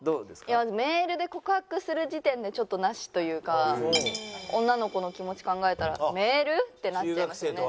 いやメールで告白する時点でちょっとなしというか女の子の気持ち考えたら「メール？」ってなっちゃいますね。